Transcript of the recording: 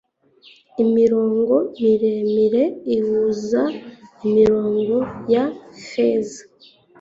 Imirongo miremire ihuza imirongo ya feza